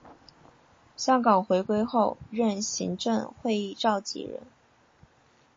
香港回归后任行政会议召集人。